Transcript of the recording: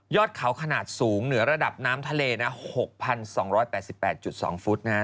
เขาขนาดสูงเหนือระดับน้ำทะเลนะ๖๒๘๘๒ฟุตนะฮะ